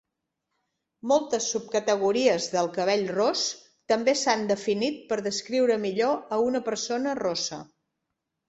Moltes subcategories del cabell ros també s'han definit per descriure millor a una persona rossa.